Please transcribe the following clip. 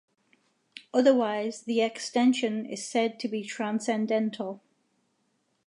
Otherwise, the extension is said to be transcendental.